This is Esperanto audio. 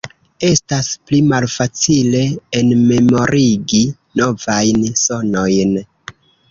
Estas pli malfacile enmemorigi novajn sonojn.